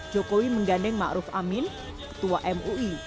jokowi menggandeng ma'ruf amin ketua mui